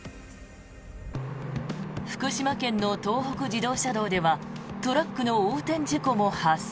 福島県の東北自動車道ではトラックの横転事故も発生。